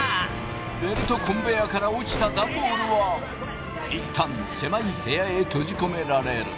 ベルトコンベヤーから落ちたダンボールは一旦狭い部屋へ閉じ込められる。